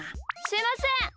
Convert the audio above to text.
すいません。